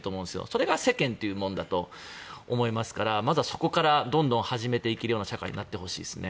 それが世間というものだと思いますからまずはそこからどんどん始めていけるような社会になってほしいですね。